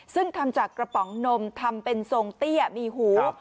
ซึ่งทำจากกระป๋องนมทำเป็นทรงเตี้ยมีหู